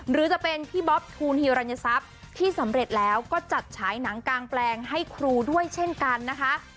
หรือจะเป็นพี่บ๊อบทูลฮีรัญทรัพย์ที่สำเร็จแล้วก็จัดฉายหนังกางแปลงให้ครูด้วยเช่นกันนะคะ